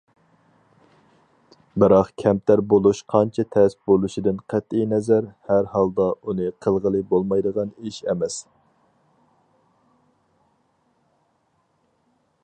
بىراق، كەمتەر بولۇش قانچە تەس بولۇشىدىن قەتئىي نەزەر، ھەرھالدا ئۇنى قىلغىلى بولمايدىغان ئىش ئەمەس.